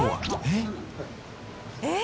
「えっ？」